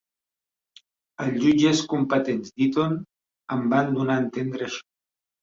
Els jutges competents d'Eton em van donar a entendre això.